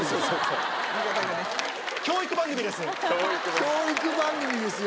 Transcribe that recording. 教育番組ですよ。